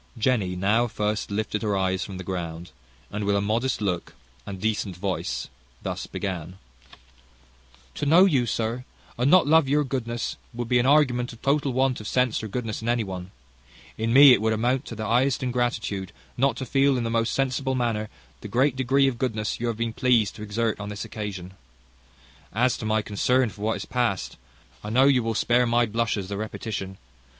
Jenny now lifted her eyes from the ground, and with a modest look and decent voice thus began: "To know you, sir, and not love your goodness, would be an argument of total want of sense or goodness in any one. In me it would amount to the highest ingratitude, not to feel, in the most sensible manner, the great degree of goodness you have been pleased to exert on this occasion. As to my concern for what is past, I know you will spare my blushes the repetition.